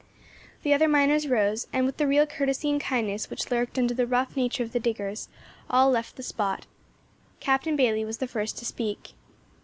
The other miners rose, and with the real courtesy and kindness which lurked under the rough nature of the diggers, all left the spot. Captain Bayley was the first to speak.